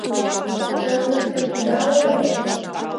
Ожнысым ида ойло...